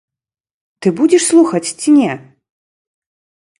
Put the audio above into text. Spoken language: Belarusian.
Ты будзеш слухаць ці не?